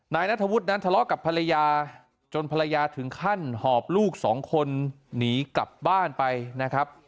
นายนัทธวุฒินั้นทะเลาะกับภรรยาจนภรรยาถึงขั้นหอบลูกสองคนหนีกลับบ้านไปนะครับ